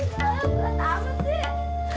ruang hai di indonesia